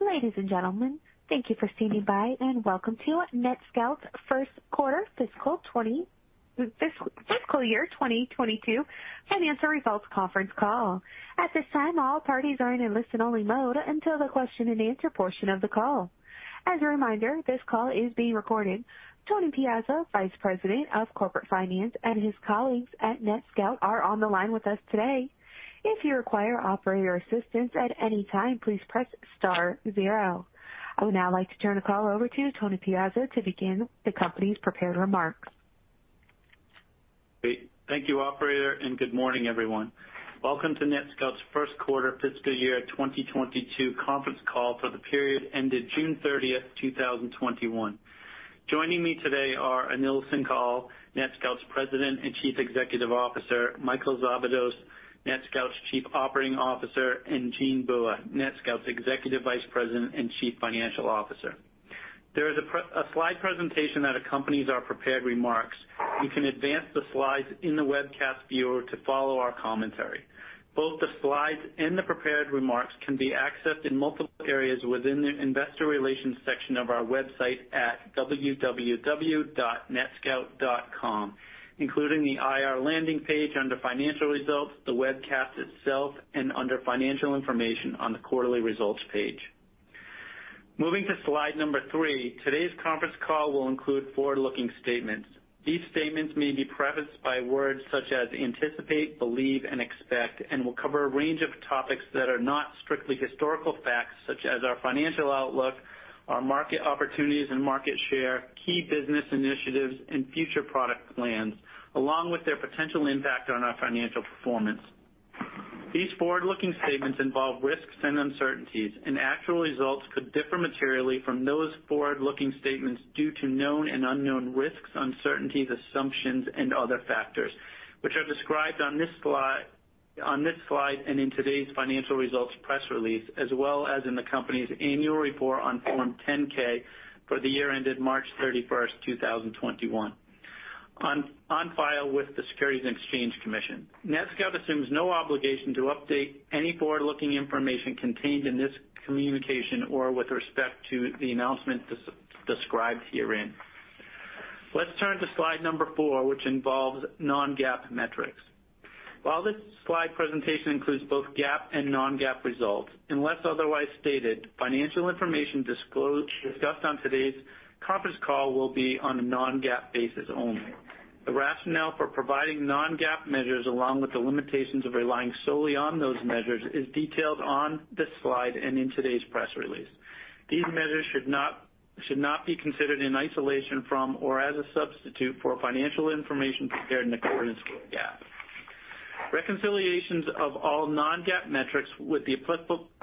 Ladies and gentlemen, thank you for standing by and welcome to NetScout's first quarter fiscal year 2022 financial results conference call. At this time, all parties are in listen-only mode until the question and answer portion of the call. As a reminder, this call is being recorded. Tony Piazza, Vice President of Corporate Finance, and his colleagues at NetScout are on the line with us today. If you require operator assistance at any time, please press star zero. I would now like to turn the call over to Tony Piazza to begin the company's prepared remarks. Great. Thank you, operator, good morning, everyone. Welcome to NetScout's 1st quarter fiscal year 2022 conference call for the period ended 30 June, 2021. Joining me today are Anil Singhal, NetScout's President and Chief Executive Officer, Michael Szabados, NetScout's Chief Operating Officer, and Jean Bua, NetScout's Executive Vice President and Chief Financial Officer. There is a slide presentation that accompanies our prepared remarks. You can advance the slides in the webcast viewer to follow our commentary. Both the slides and the prepared remarks can be accessed in multiple areas within the investor relations section of our website at www.netscout.com, including the IR landing page under financial results, the webcast itself, and under financial information on the quarterly results page. Moving to slide number three, today's conference call will include forward-looking statements. These statements may be prefaced by words such as anticipate, believe, and expect, and will cover a range of topics that are not strictly historical facts, such as our financial outlook, our market opportunities and market share, key business initiatives, and future product plans, along with their potential impact on our financial performance. These forward-looking statements involve risks and uncertainties, and actual results could differ materially from those forward-looking statements due to known and unknown risks, uncertainties, assumptions, and other factors which are described on this slide and in today's financial results press release, as well as in the company's annual report on Form 10-K for the year ended 31st March, 2021, on file with the Securities and Exchange Commission. NetScout assumes no obligation to update any forward-looking information contained in this communication or with respect to the announcement described herein. Let's turn to slide number four, which involves non-GAAP metrics. While this slide presentation includes both GAAP and non-GAAP results, unless otherwise stated, financial information discussed on today's conference call will be on a non-GAAP basis only. The rationale for providing non-GAAP measures, along with the limitations of relying solely on those measures, is detailed on this slide and in today's press release. These measures should not be considered in isolation from or as a substitute for financial information prepared in accordance with GAAP. Reconciliations of all non-GAAP metrics with the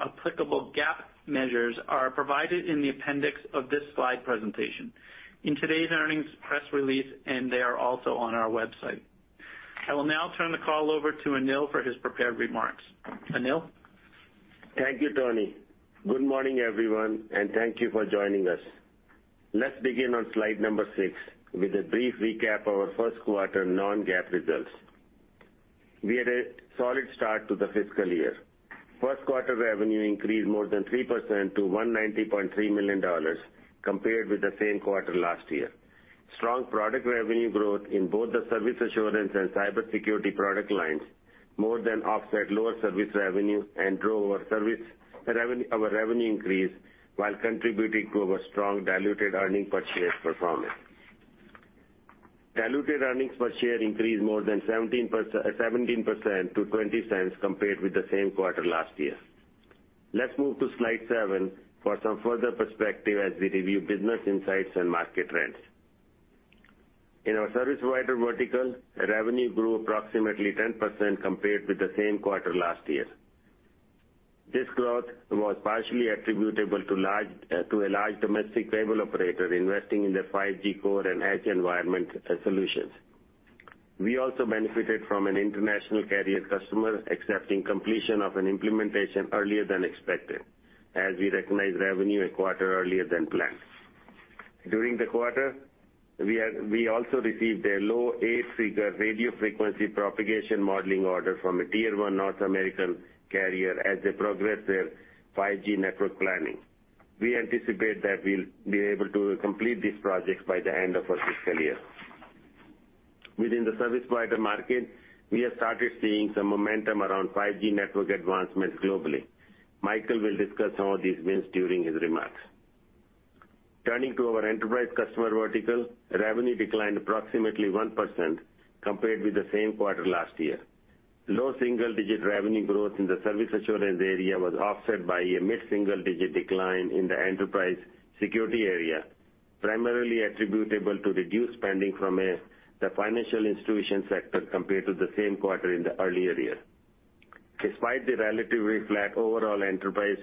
applicable GAAP measures are provided in the appendix of this slide presentation, in today's earnings press release, and they are also on our website. I will now turn the call over to Anil for his prepared remarks. Anil? Thank you, Tony. Good morning, everyone, and thank you for joining us. Let's begin on slide number six with a brief recap of our first quarter non-GAAP results. We had a solid start to the fiscal year. First quarter revenue increased more than 3% to $190.3 million compared with the same quarter last year. Strong product revenue growth in both the service assurance and cybersecurity product lines more than offset lower service revenue and drove our revenue increase while contributing to our strong diluted earnings per share performance. Diluted earnings per share increased more than 17% to $0.20 compared with the same quarter last year. Let's move to slide 7 for some further perspective as we review business insights and market trends. In our service provider vertical, revenue grew approximately 10% compared with the same quarter last year. This growth was partially attributable to a large domestic cable operator investing in their 5G core and edge environment solutions. We also benefited from an international carrier customer accepting completion of an implementation earlier than expected, as we recognized revenue a quarter earlier than planned. During the quarter, we also received a $ low 8-figure radio frequency propagation modeling order from a tier 1 North American carrier as they progress their 5G network planning. We anticipate that we'll be able to complete these projects by the end of our fiscal year. Within the service provider market, we have started seeing some momentum around 5G network advancements globally. Michael will discuss some of these wins during his remarks. Turning to our enterprise customer vertical, revenue declined approximately 1% compared with the same quarter last year. Low single-digit revenue growth in the service assurance area was offset by a mid-single digit decline in the enterprise security area, primarily attributable to reduced spending from the financial institution sector compared to the same quarter in the earlier year. Despite the relatively flat overall enterprise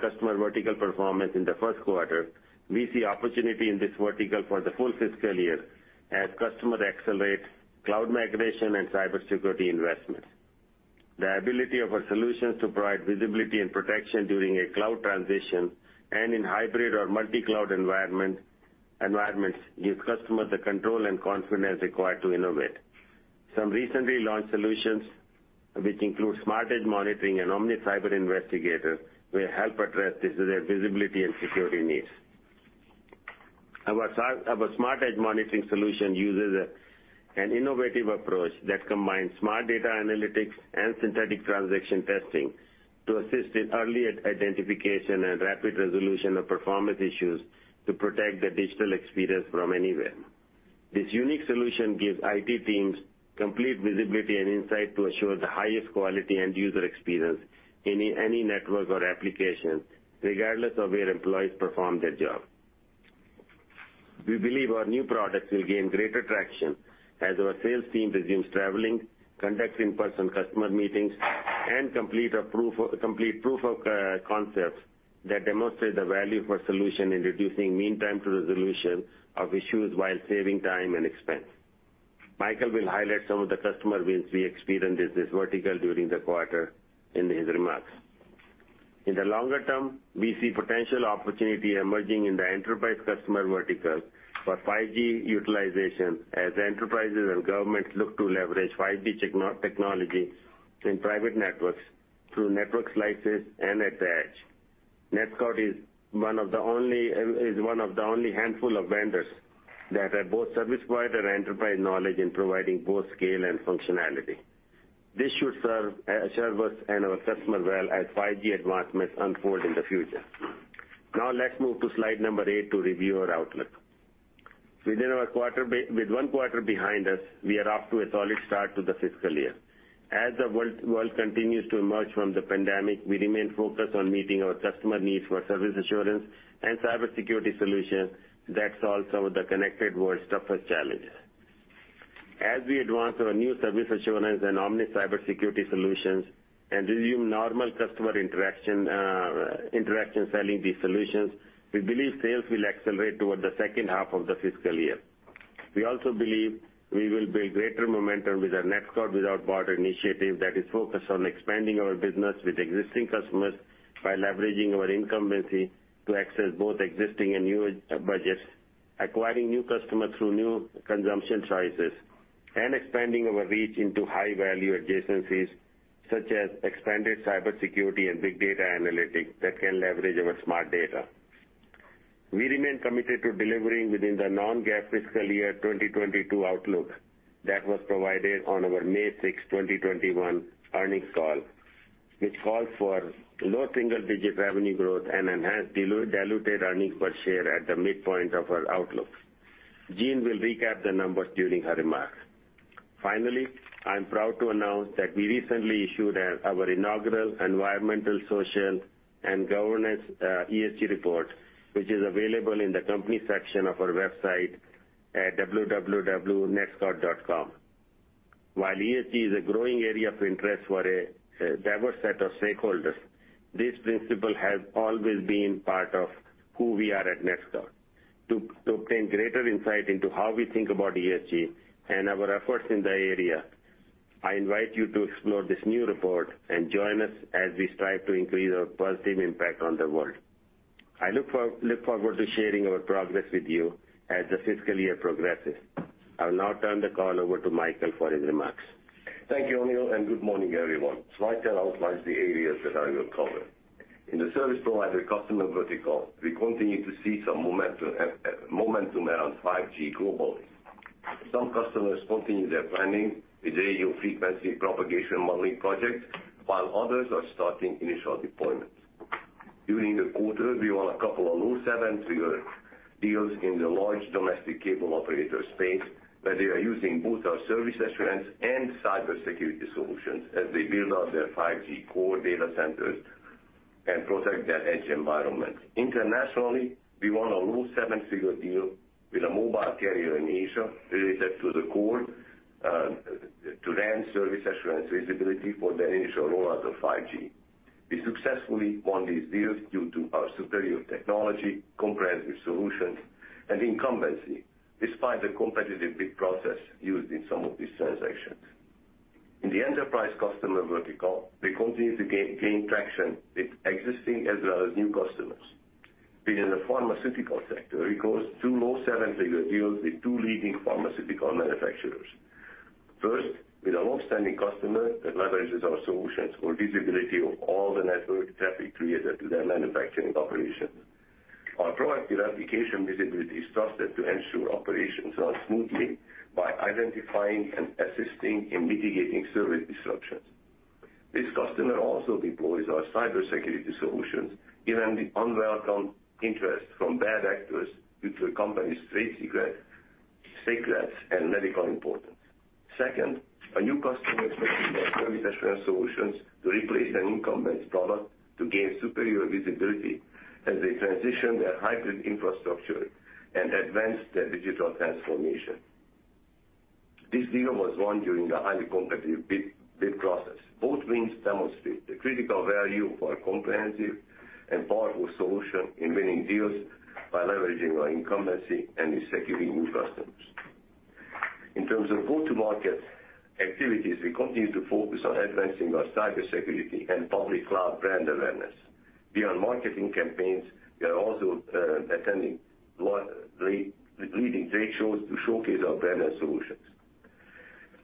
customer vertical performance in the first quarter, we see opportunity in this vertical for the full fiscal year as customers accelerate cloud migration and cybersecurity investment. The ability of our solutions to provide visibility and protection during a cloud transition and in hybrid or multi-cloud environments give customers the control and confidence required to innovate. Some recently launched solutions, which include Smart Edge Monitoring and Omnis Cyber Intelligence, will help address their visibility and security needs. Our Smart Edge Monitoring solution uses an innovative approach that combines smart data analytics and synthetic transaction testing to assist in early identification and rapid resolution of performance issues to protect the digital experience from anywhere. This unique solution gives IT teams complete visibility and insight to ensure the highest quality end-user experience in any network or application, regardless of where employees perform their job. We believe our new products will gain greater traction as our sales team resumes traveling, conducts in-person customer meetings, and complete proof of concepts that demonstrate the value of the solution in reducing mean time to resolution of issues while saving time and expense. Michael will highlight some of the customer wins we experienced in this vertical during the quarter in his remarks. In the longer term, we see potential opportunity emerging in the enterprise customer vertical for 5G utilization as enterprises and governments look to leverage 5G technology in private networks through network slices and at the edge. NetScout is one of the only handful of vendors that have both service provider and enterprise knowledge in providing both scale and functionality. This should serve us and our customers well as 5G advancements unfold in the future. Let's move to slide number eight to review our outlook. With one quarter behind us, we are off to a solid start to the fiscal year. As the world continues to emerge from the pandemic, we remain focused on meeting our customer needs for service assurance and cybersecurity solutions that solve some of the connected world's toughest challenges. As we advance our new service assurance and Omnis Security solutions and resume normal customer interaction selling these solutions, we believe sales will accelerate toward the second half of the fiscal year. We also believe we will build greater momentum with our NetScout Without Borders initiative that is focused on expanding our business with existing customers by leveraging our incumbency to access both existing and new budgets, acquiring new customers through new consumption choices, and expanding our reach into high-value adjacencies such as expanded cybersecurity and big data analytics that can leverage our smart data. We remain committed to delivering within the non-GAAP fiscal year 2022 outlook that was provided on our 6 May, 2021 earnings call, which calls for low single-digit revenue growth and enhanced diluted earnings per share at the midpoint of our outlook. Jean will recap the numbers during her remarks. Finally, I'm proud to announce that we recently issued our inaugural Environmental, Social, and Governance, ESG report, which is available in the company section of our website at www.netscout.com. While ESG is a growing area of interest for a diverse set of stakeholders, this principle has always been part of who we are at NetScout. To obtain greater insight into how we think about ESG and our efforts in the area, I invite you to explore this new report and join us as we strive to increase our positive impact on the world. I look forward to sharing our progress with you as the fiscal year progresses. I will now turn the call over to Michael for his remarks. Thank you, Anil, and good morning, everyone. This slide outlines the areas that I will cover. In the service provider customer vertical, we continue to see some momentum around 5G globally. Some customers continue their planning with radio frequency propagation modeling projects, while others are starting initial deployments. During the quarter, we won a couple of low seven-figure deals in the large domestic cable operator space, where they are using both our service assurance and cybersecurity solutions as they build out their 5G core data centers and protect their edge environment. Internationally, we won one low seven-figure deal with a mobile carrier in Asia related to the core to RAN service assurance visibility for their initial rollout of 5G. We successfully won these deals due to our superior technology, comprehensive solutions, and incumbency, despite the competitive bid process used in some of these transactions. In the enterprise customer vertical, we continue to gain traction with existing as well as new customers. Within the pharmaceutical sector, we closed two low seven-figure deals with two leading pharmaceutical manufacturers. First, with a long-standing customer that leverages our solutions for visibility of all the network traffic related to their manufacturing operations. Our proactive application visibility is trusted to ensure operations run smoothly by identifying and assisting in mitigating service disruptions. This customer also deploys our cybersecurity solutions given the unwelcome interest from bad actors due to the company's trade secrets and medical importance. Second, a new customer selected our service assurance solutions to replace an incumbent product to gain superior visibility as they transition their hybrid infrastructure and advance their digital transformation. This deal was won during a highly competitive bid process. Both wins demonstrate the critical value of our comprehensive and powerful solution in winning deals by leveraging our incumbency and in securing new customers. In terms of go-to-market activities, we continue to focus on advancing our cybersecurity and public cloud brand awareness. Beyond marketing campaigns, we are also attending leading trade shows to showcase our brand and solutions.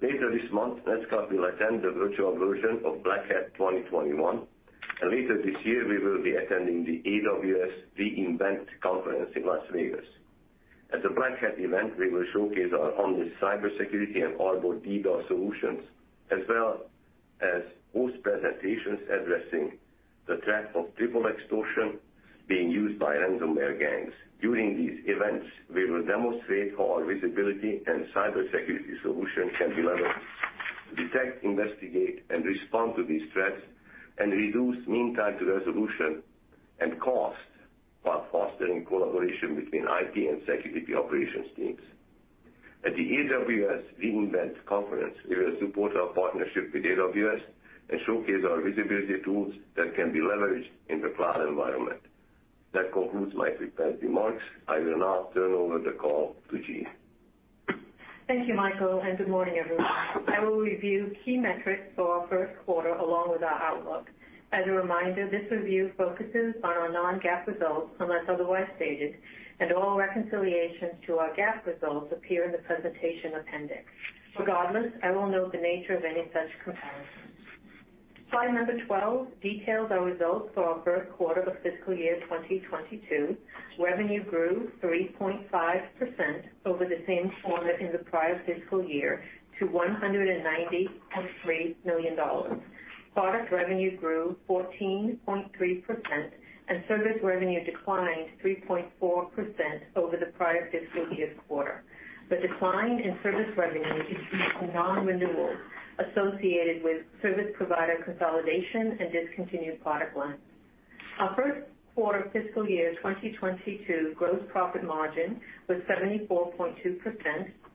Later this month, NetScout will attend the virtual version of Black Hat 2021, and later this year, we will be attending the AWS re:Invent conference in Las Vegas. At the Black Hat event, we will showcase our newest cybersecurity and Arbor DDoS solutions, as well as host presentations addressing the threat of triple extortion being used by ransomware gangs. During these events, we will demonstrate how our visibility and cybersecurity solution can be leveraged to detect, investigate, and respond to these threats and reduce mean time to resolution and cost, while fostering collaboration between IT and security operations teams. At the AWS re:Invent conference, we will support our partnership with AWS and showcase our visibility tools that can be leveraged in the cloud environment. That concludes my prepared remarks. I will now turn over the call to Jean. Thank you, Michael. Good morning, everyone. I will review key metrics for our first quarter along with our outlook. As a reminder, this review focuses on our non-GAAP results, unless otherwise stated, and all reconciliations to our GAAP results appear in the presentation appendix. Regardless, I will note the nature of any such comparisons. Slide number 12 details our results for our first quarter of fiscal year 2022. Revenue grew 3.5% over the same quarter in the prior fiscal year to $190.3 million. Product revenue grew 14.3%, and service revenue declined 3.4% over the prior fiscal year quarter. The decline in service revenue is due to non-renewal associated with service provider consolidation and discontinued product lines. Our first quarter fiscal year 2022 gross profit margin was 74.2%,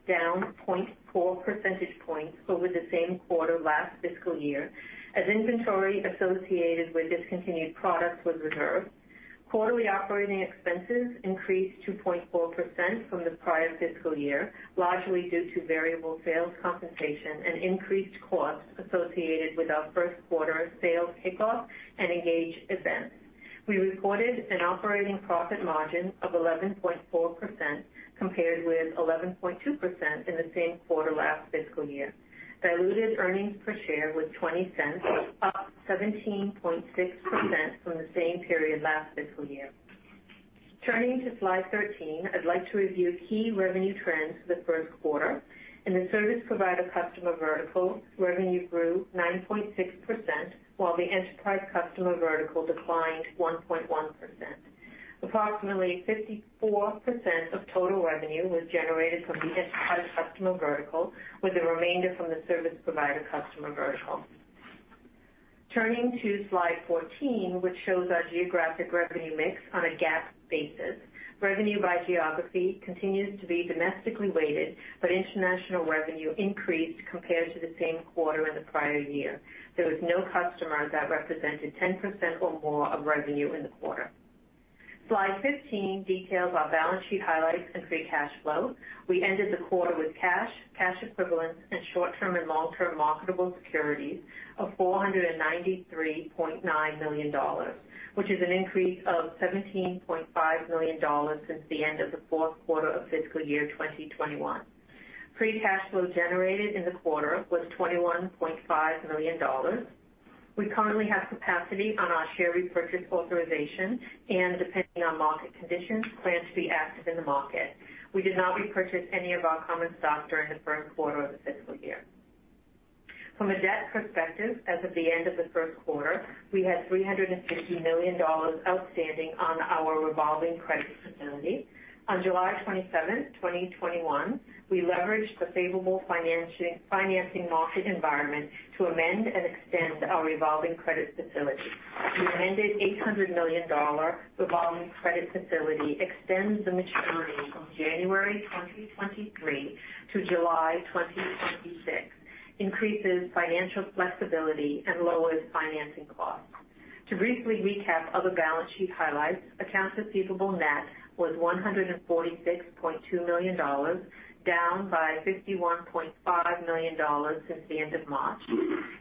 down 0.4 percentage points over the same quarter last fiscal year, as inventory associated with discontinued products was reserved. Quarterly operating expenses increased 2.4% from the prior fiscal year, largely due to variable sales compensation and increased costs associated with our first quarter sales kickoff and Engage events. We reported an operating profit margin of 11.4%, compared with 11.2% in the same quarter last fiscal year. Diluted earnings per share was $0.20, up 17.6% from the same period last fiscal year. Turning to slide 13, I'd like to review key revenue trends for the first quarter. In the service provider customer vertical, revenue grew 9.6%, while the enterprise customer vertical declined 1.1%. Approximately 54% of total revenue was generated from the enterprise customer vertical, with the remainder from the service provider customer vertical. Turning to slide 14, which shows our geographic revenue mix on a GAAP basis. Revenue by geography continues to be domestically weighted, but international revenue increased compared to the same quarter in the prior year. There was no customer that represented 10% or more of revenue in the quarter. Slide 15 details our balance sheet highlights and free cash flow. We ended the quarter with cash equivalents, and short-term and long-term marketable securities of $493.9 million, which is an increase of $17.5 million since the end of the fourth quarter of fiscal year 2021. Free cash flow generated in the quarter was $21.5 million. We currently have capacity on our share repurchase authorization and, depending on market conditions, plan to be active in the market. We did not repurchase any of our common stock during the first quarter of the fiscal year. From a debt perspective, as of the end of the first quarter, we had $350 million outstanding on our revolving credit facility. On 27th July, 2021, we leveraged the favorable financing market environment to amend and extend our revolving credit facility. The amended $800 million revolving credit facility extends the maturity from January 2023 to July 2026, increases financial flexibility, and lowers financing costs. To briefly recap other balance sheet highlights, accounts receivable net was $146.2 million, down by $51.5 million since the end of March.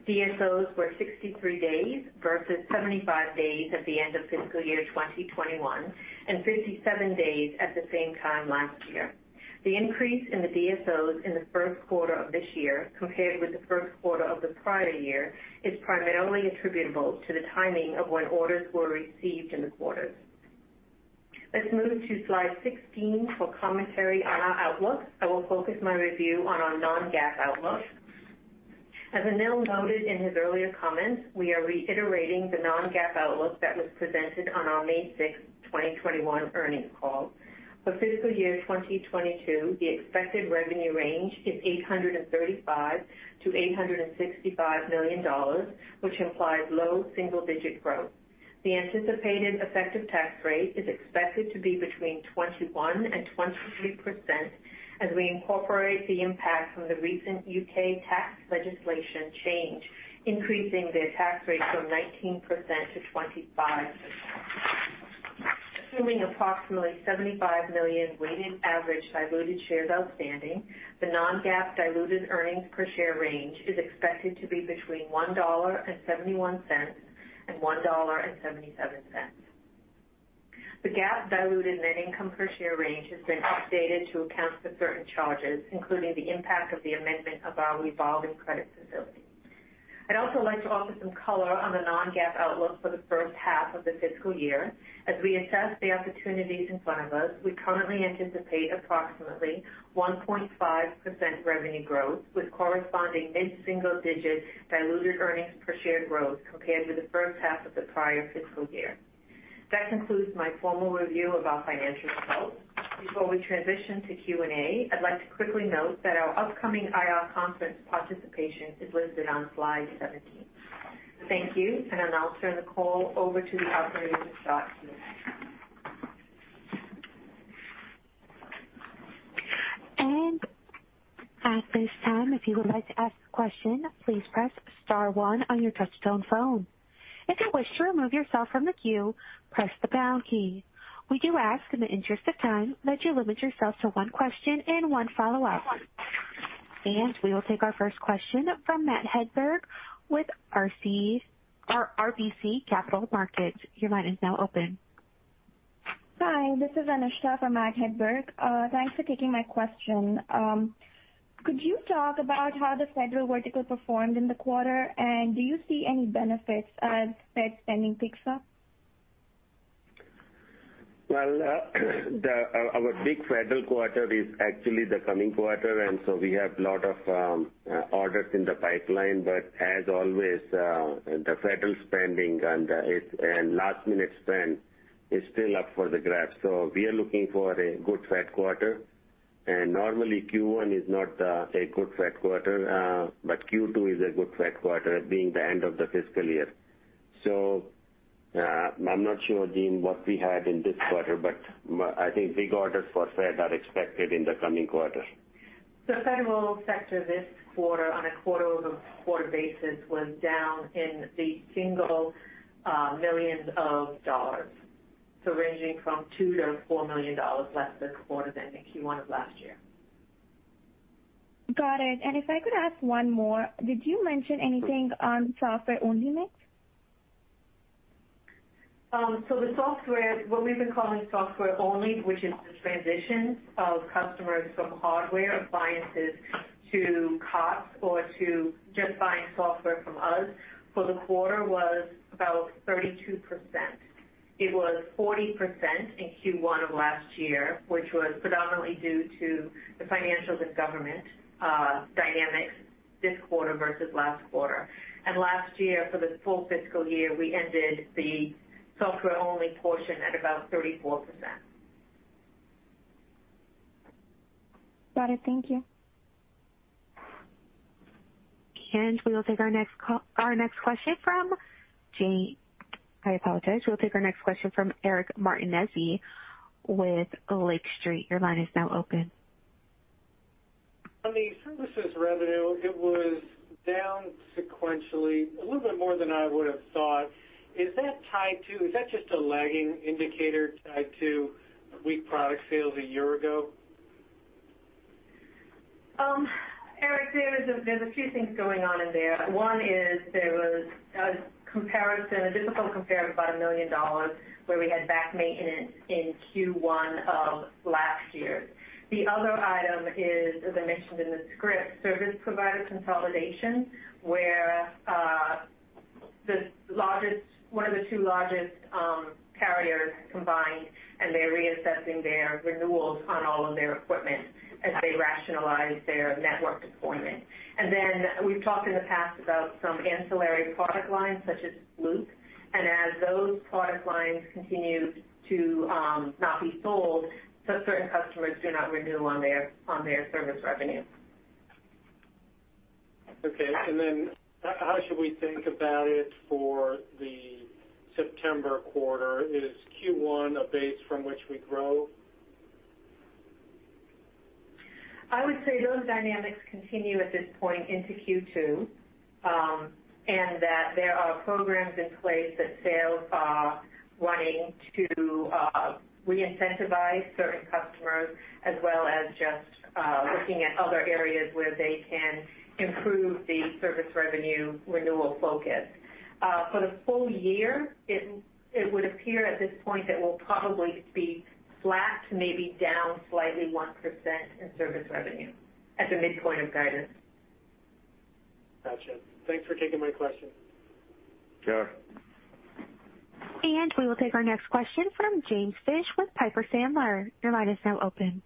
DSOs were 63 days versus 75 days at the end of fiscal year 2021, and 57 days at the same time last year. The increase in the DSOs in the first quarter of this year compared with the first quarter of the prior year is primarily attributable to the timing of when orders were received in the quarters. Let's move to slide 16 for commentary on our outlook. I will focus my review on our non-GAAP outlook. As Anil noted in his earlier comments, we are reiterating the non-GAAP outlook that was presented on our May 6th, 2021 earnings call. For fiscal year 2022, the expected revenue range is $835 million-$865 million, which implies low single-digit growth. The anticipated effective tax rate is expected to be between 21%-23% as we incorporate the impact from the recent U.K. tax legislation change, increasing their tax rate from 19%-25%. Assuming approximately 75 million weighted average diluted shares outstanding, the non-GAAP diluted earnings per share range is expected to be between $1.71 and $1.77. The GAAP diluted net income per share range has been updated to account for certain charges, including the impact of the amendment of our revolving credit facility. I'd also like to offer some color on the non-GAAP outlook for the first half of the fiscal year. As we assess the opportunities in front of us, we currently anticipate approximately 1.5% revenue growth, with corresponding mid-single digit diluted earnings per share growth compared to the first half of the prior fiscal year. That concludes my formal review of our financial results. Before we transition to Q&A, I'd like to quickly note that our upcoming IR conference participation is listed on slide 17. Thank you, and I'll now turn the call over to the operator to start Q&A. At this time, if you would like to ask a question, please press star one on your touch-tone phone. If you wish to remove yourself from the queue, press the pound key. We do ask, in the interest of time, that you limit yourself to one question and one follow-up. We will take our 1st question from Matthew Hedberg with RBC Capital Markets. Your line is now open. Hi, this is Anusha for Matthew Hedberg. Thanks for taking my question. Could you talk about how the federal vertical performed in the quarter, do you see any benefits as Fed spending picks up? Our big federal quarter is actually the coming quarter, we have a lot of orders in the pipeline, but as always, the federal spending and last minute spend is still up for the grab. We are looking for a good Fed quarter. Normally, Q1 is not a good Fed quarter, but Q2 is a good Fed quarter, being the end of the fiscal year. I'm not sure, Jean, what we had in this quarter, but I think big orders for Fed are expected in the coming quarter. The federal sector this quarter, on a quarter-over-quarter basis, was down in the single millions of dollars, ranging from $2 million-$4 million less this quarter than in Q1 of last year. Got it. If I could ask one more. Did you mention anything on software-only mix? What we've been calling software only, which is the transition of customers from hardware appliances to COTS or to just buying software from us for the quarter was about 32%. It was 40% in Q1 of last year, which was predominantly due to the financials of government dynamics this quarter versus last quarter. Last year, for the full fiscal year, we ended the software-only portion at about 34%. Got it. Thank you. I apologize. We'll take our next question from Eric Martinuzzi with Lake Street. Your line is now open. On the services revenue, it was down sequentially a little bit more than I would've thought. Is that just a lagging indicator tied to weak product sales a year ago? Eric, there's a few things going on in there. One is there was a difficult comparison of about $1 million where we had back maintenance in Q1 of last year. The other item is, as I mentioned in the script, service provider consolidation, where one of the two largest carriers combined, and they're reassessing their renewals on all of their equipment as they rationalize their network deployment. We've talked in the past about some ancillary product lines such as Loop, and as those product lines continue to not be sold, so certain customers do not renew on their service revenue. Okay. How should we think about it for the September quarter? Is Q1 a base from which we grow? I would say those dynamics continue at this point into Q2, and that there are programs in place that sales are wanting to re-incentivize certain customers as well as just looking at other areas where they can improve the service revenue renewal focus. For the full year, it would appear at this point that we'll probably be flat to maybe down slightly 1% in service revenue as a midpoint of guidance. Gotcha. Thanks for taking my question. Sure. We will take our next question from James Fish with Piper Sandler. Your line is now open.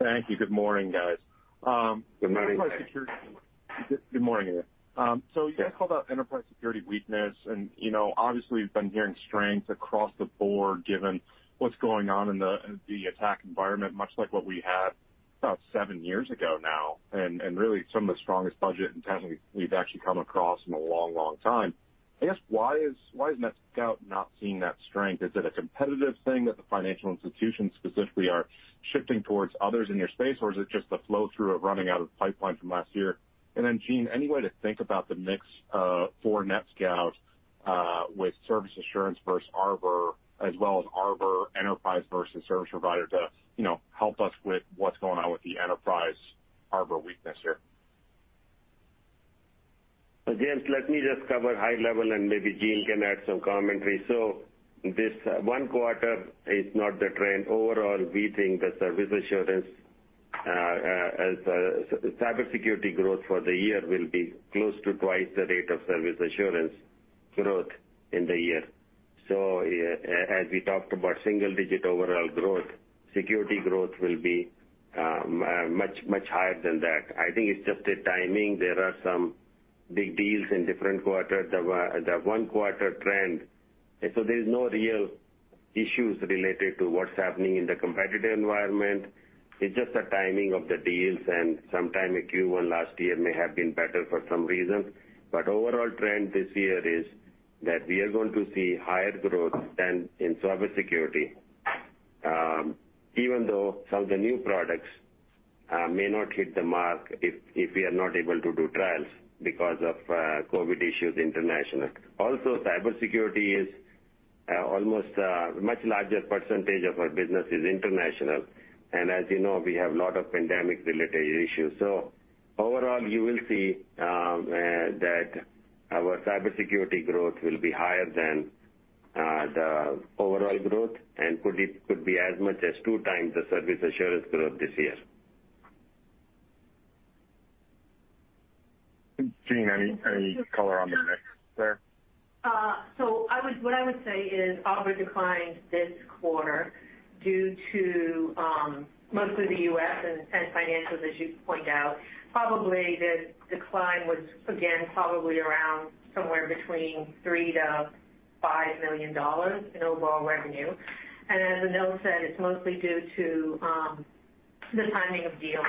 Thank you. Good morning, guys. Good morning. Good morning. You guys called out enterprise security weakness and obviously, we've been hearing strength across the board given what's going on in the attack environment much like what we had about seven years ago now. Really some of the strongest budget intent we've actually come across in a long time. I guess why is NetScout not seeing that strength? Is it a competitive thing that the financial institutions specifically are shifting towards others in your space, or is it just the flow-through of running out of the pipeline from last year? Jean, any way to think about the mix for NetScout with service assurance versus Arbor, as well as Arbor enterprise versus service provider to help us with what's going on with the enterprise Arbor weakness here. James, let me just cover high level, and maybe Jean can add some commentary. This one quarter is not the trend. Overall, we think the service assurance as a cybersecurity growth for the year will be close to twice the rate of service assurance growth in the year. As we talked about single-digit overall growth, security growth will be much higher than that. I think it's just the timing. There are some big deals in different quarters. There were the one quarter trend, so there's no real issues related to what's happening in the competitive environment. It's just the timing of the deals, and sometime in Q1 last year may have been better for some reason. Overall trend this year is that we are going to see higher growth than in service security. Even though some of the new products may not hit the mark if we are not able to do trials because of COVID issues international. Also, cybersecurity is almost a much larger percentage of our business is international. As you know, we have a lot of pandemic-related issues. Overall, you will see that our cybersecurity growth will be higher than the overall growth and could be as much as two times the service assurance growth this year. Jean, any color on the mix there? What I would say is Arbor declined this quarter due to mostly the U.S. and financial, as you point out. Probably the decline was, again, probably around somewhere between $3 million-$5 million in overall revenue. As Anil said, it's mostly due to the timing of deals.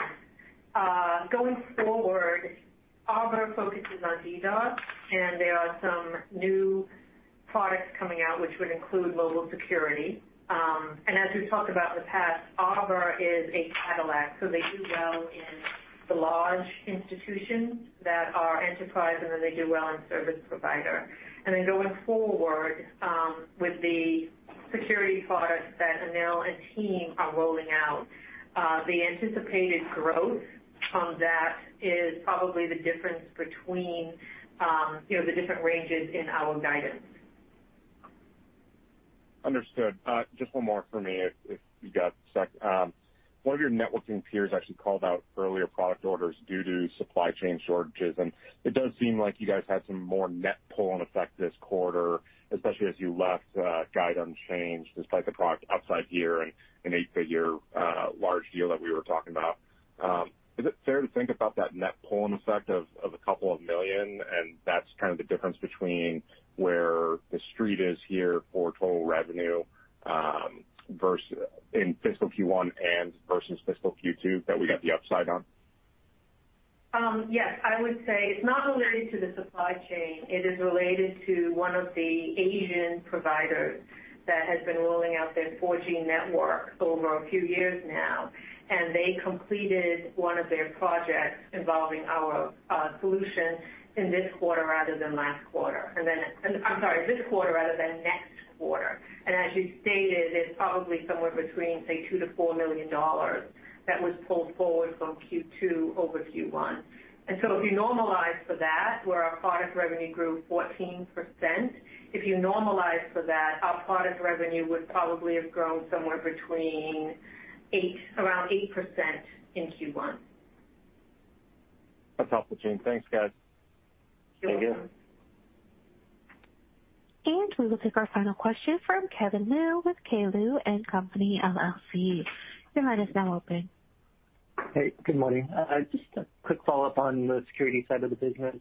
Going forward, Arbor focuses on DDoS, and there are some new products coming out, which would include mobile security. As we've talked about in the past, Arbor is a Cadillac, so they do well in the large institutions that are enterprise, and then they do well in service provider. Going forward, with the security products that Anil and team are rolling out, the anticipated growth from that is probably the difference between the different ranges in our guidance. Understood. Just 1 more for me, if you got a sec. One of your networking peers actually called out earlier product orders due to supply chain shortages, and it does seem like you guys had some more net pull-on effect this quarter, especially as you left guide unchanged despite the product upside here and an 8-figure large deal that we were talking about. Is it fair to think about that net pull-on effect of $2 million, and that's kind of the difference between where the street is here for total revenue in fiscal Q1 and versus fiscal Q2 that we got the upside on? Yes, I would say it's not related to the supply chain. It is related to one of the Asian providers that has been rolling out their 4G network over a few years now, and they completed one of their projects involving our solution in this quarter rather than last quarter. I'm sorry, this quarter rather than next quarter. As you stated, it's probably somewhere between, say, $2 million-$4 million that was pulled forward from Q2 over Q1. If you normalize for that, where our product revenue grew 14%, if you normalize for that, our product revenue would probably have grown somewhere between around 8% in Q1. That's helpful, Jean. Thanks, guys. You're welcome. Thank you. We will take our final question from Kevin Liu with K. Liu & Company LLC. Your line is now open. Hey, good morning. Just a quick follow-up on the security side of the business.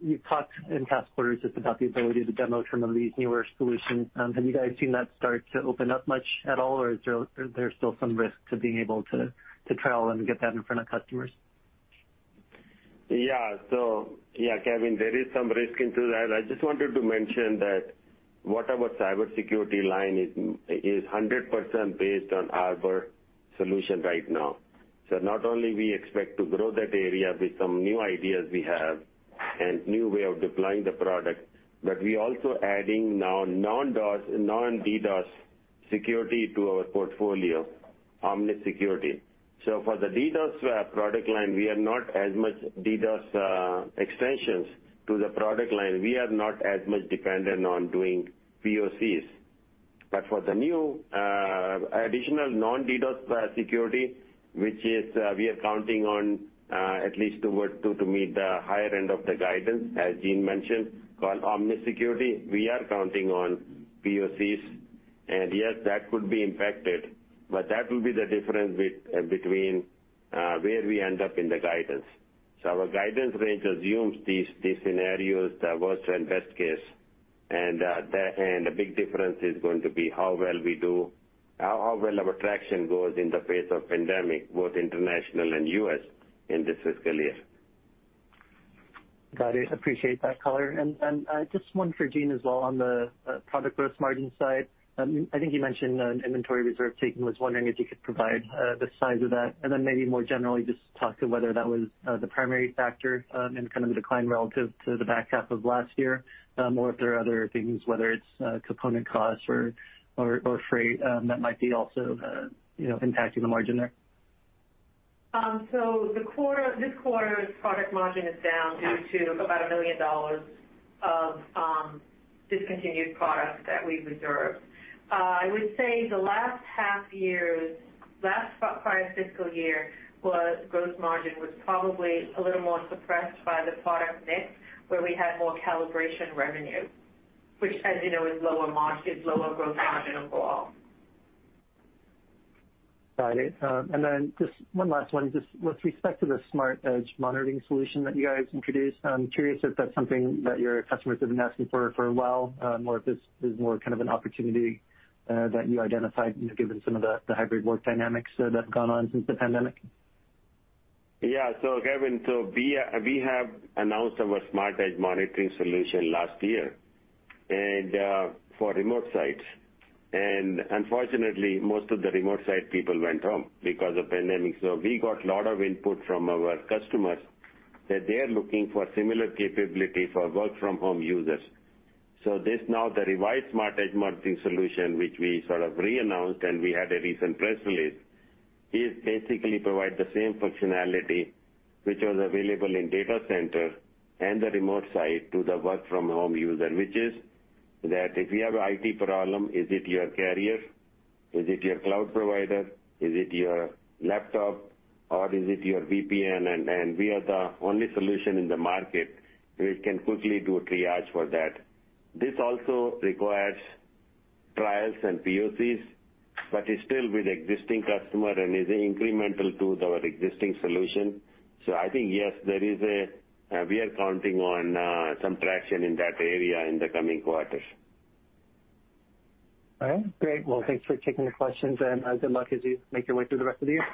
You've talked in past quarters just about the ability to demo some of these newer solutions. Have you guys seen that start to open up much at all, or is there still some risk to being able to trial and get that in front of customers? Kevin, there is some risk into that. I just wanted to mention that whatever cybersecurity line is 100% based on Arbor solution right now. Not only we expect to grow that area with some new ideas we have and new way of deploying the product, but we also adding now non-DDoS security to our portfolio, Omnis Security. For the DDoS product line, we are not as much DDoS extensions to the product line. We are not as much dependent on doing POCs. For the new, additional non-DDoS security, which is, we are counting on at least toward two to meet the higher end of the guidance, as Jean mentioned, called Omnis Security, we are counting on POCs. Yes, that could be impacted, but that will be the difference between where we end up in the guidance. Our guidance range assumes these scenarios, the worst and best case, and a big difference is going to be how well our traction goes in the face of pandemic, both international and U.S., in this fiscal year. Got it. Appreciate that color. Just one for Jean Bua as well on the product gross margin side. I think you mentioned an inventory reserve taken, was wondering if you could provide the size of that and then maybe more generally just talk to whether that was the primary factor in kind of the decline relative to the back half of last year, or if there are other things, whether it's component costs or freight that might be also impacting the margin there. This quarter's product margin is down due to about $1 million of discontinued products that we've reserved. I would say the last half year's, last prior fiscal year was gross margin was probably a little more suppressed by the product mix, where we had more calibration revenue, which as you know is lower margin, lower gross margin overall. Got it. Just one last one. Just with respect to the Smart Edge Monitoring solution that you guys introduced, I'm curious if that's something that your customers have been asking for a while, or if this is more kind of an opportunity that you identified, given some of the hybrid work dynamics that have gone on since the pandemic. Yeah. Kevin, we have announced our Smart Edge Monitoring solution last year, and for remote sites. Unfortunately, most of the remote site people went home because of pandemic. We got lot of input from our customers that they are looking for similar capability for work from home users. This now the revised Smart Edge Monitoring solution, which we sort of re-announced and we had a recent press release, is basically provide the same functionality which was available in data center and the remote site to the work from home user. Which is that if you have IT problem, is it your carrier? Is it your cloud provider? Is it your laptop, or is it your VPN? We are the only one solution in the market which can quickly do a triage for that. This also requires trials and POCs, but is still with existing customer and is incremental to our existing solution. I think yes, we are counting on some traction in that area in the coming quarters. All right, great. Well, thanks for taking the questions and good luck as you make your way through the rest of the year.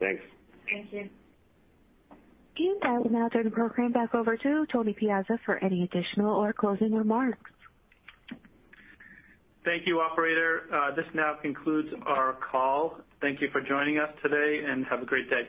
Thanks. Thank you. I will now turn the program back over to Tony Piazza for any additional or closing remarks. Thank you, operator. This now concludes our call. Thank you for joining us today, and have a great day.